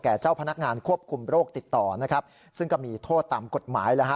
เจ้าพนักงานควบคุมโรคติดต่อนะครับซึ่งก็มีโทษตามกฎหมายแล้วฮะ